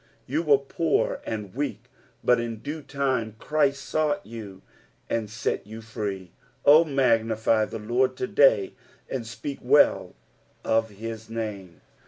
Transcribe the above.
You were poor and weak, but in due time Christ sought you, and set you free. O magnify the Lord to day, and speak well of his name.